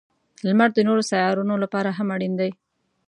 • لمر د نورو سیارونو لپاره هم اړین دی.